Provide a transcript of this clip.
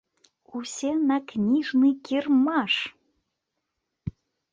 Усе на кніжны кірмаш!